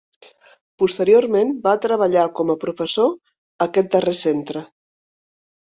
Posteriorment, va treballar com a professor a aquest darrer centre.